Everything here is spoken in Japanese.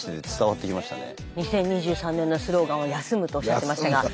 ２０２３年のスローガンは休むとおっしゃってましたが。